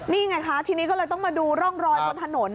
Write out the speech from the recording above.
นี่ไงคะทีนี้ก็เลยต้องมาดูร่องรอยบนถนน